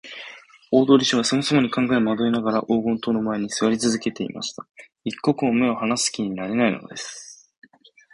大鳥氏はさまざまに考えまどいながら、黄金塔の前にすわりつづけていました。一刻も目をはなす気になれないのです。